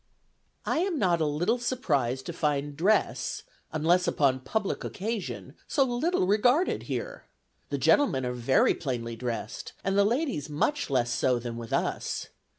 "I am not a little surprised to find dress, unless upon public occasion, so little regarded here. The gentlemen are very plainly dressed, and the ladies much less so than with us.